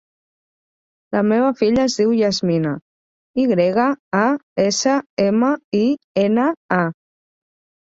La meva filla es diu Yasmina: i grega, a, essa, ema, i, ena, a.